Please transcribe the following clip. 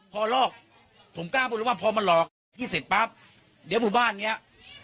พอหลอกผมกล้าพูดเลยว่าพอมาหลอกพี่เสร็จปั๊บเดี๋ยวหมู่บ้านเนี้ย